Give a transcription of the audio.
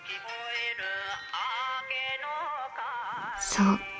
そう。